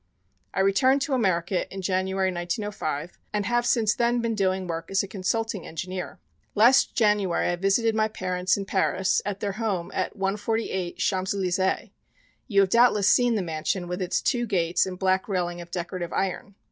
"I returned to America in January, 1905, and have since then been doing work as a consulting engineer. Last January I visited my parents in Paris at their home at 148 Champs Elysée. You have doubtless seen the mansion with its two gates and black railing of decorative iron.